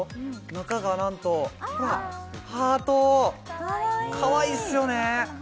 中が何とハートかわいいかわいいっすよね